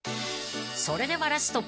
［それではラスト］